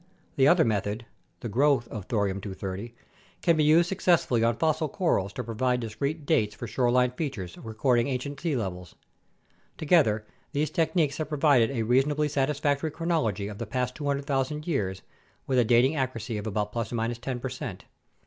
The other method (the growth of 230 Th) can be used successfully on fossil corals to provide discrete dates for shore line features recording ancient sea levels. Together, these techniques have provided a reasonably satisfactory chronology of the past 200,000 years with a dating accuracy of about ±10 percent.